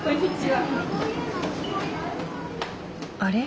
あれ？